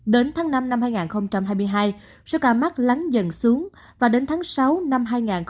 đến tháng năm năm hai nghìn hai mươi hai số ca mắc lắng dần xuống và đến tháng sáu năm hai nghìn hai mươi ba